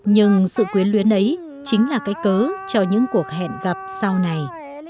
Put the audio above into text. nhưng sự quyến luyến ấy chính là cái cớ cho những cuộc hẹn gặp sau này